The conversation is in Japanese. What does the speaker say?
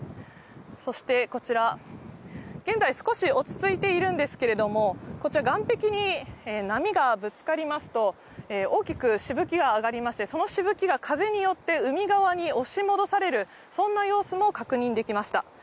そしてこちら、現在少し落ち着いているんですけれども、こちら岸壁に波がぶつかりますと大きくしぶきが上がりまして、その飛沫が風によって海側に押し戻される、そんな様子も確認できました。